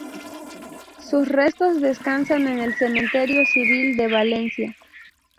Sus restos descansan en el Cementerio Civil de Valencia.